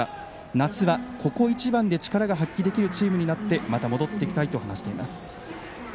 夏は、ここ一番で力が発揮できるチームとしてまた、戻ってきたいと話しています。